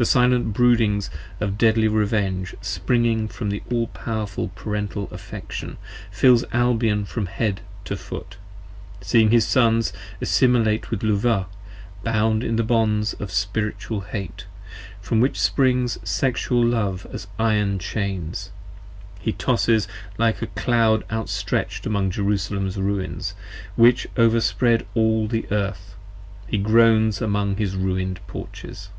62 The silent broodings of deadly revenge, springing from the 10 All powerful parental affection, fills Albion from head to foot: Seeing his sons assimilate with Luvah, bound in the bonds Of Spiritual Hate, from which springs Sexual Love as iron chains, He tosses like a cloud outstretch'd among Jerusalem's Ruins Which overspread all the Earth, he groans among his ruin'd porches.